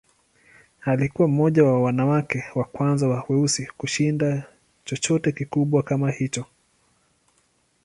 Alikuwa mmoja wa wanawake wa kwanza wa weusi kushinda chochote kikubwa kama hicho.